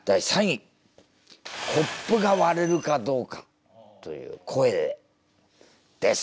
コップが割れるかどうかという声でです。